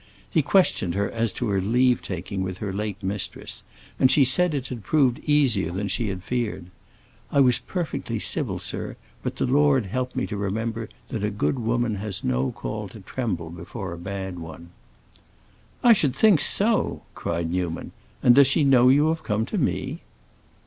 He questioned her as to her leave taking with her late mistress, and she said it had proved easier than she feared. "I was perfectly civil, sir, but the Lord helped me to remember that a good woman has no call to tremble before a bad one." "I should think so!" cried Newman. "And does she know you have come to me?"